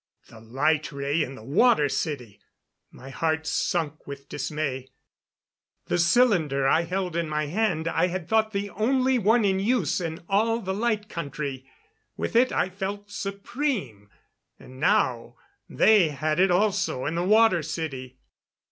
The light ray in the Water City! My heart sunk with dismay. The cylinder I held in my hand I had thought the only one in use in all the Light Country. With it I felt supreme. And now they had it also in the Water City!